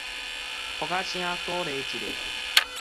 噗仔聲鼓勵一下